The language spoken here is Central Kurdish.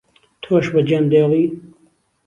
تۆش بەجێم دێڵی